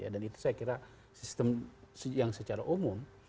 dan itu saya kira sistem yang secara umum